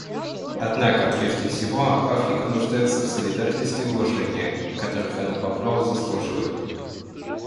Однако, прежде всего, Африка нуждается в солидарности и уважении, которых она по праву заслуживает.